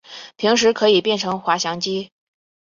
平时可以变成滑翔机。